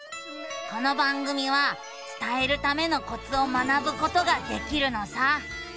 この番組は伝えるためのコツを学ぶことができるのさ。